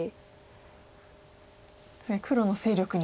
確かに黒の勢力に。